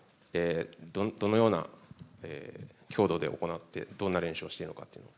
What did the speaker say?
どのような強度で行ってどんな練習をしているのか。